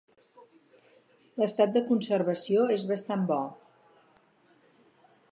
L'estat de conservació és bastant bo.